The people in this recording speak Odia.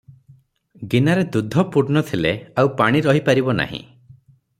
ଗିନାରେ ଦୁଧ ପୂର୍ଣ୍ଣ ଥିଲେ ଆଉ ପାଣି ରହି ପାରିବ ନାହିଁ ।